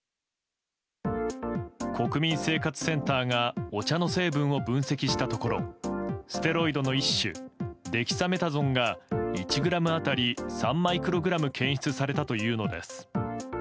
国民生活センターがお茶の成分を分析したところステロイドの一種デキサメタゾンが１ｇ当たり３マイクログラム検出されたというのです。